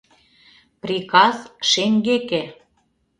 Приказ — шеҥгеке!